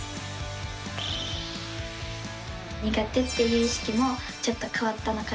苦手っていう意識もちょっと変わったのかなと。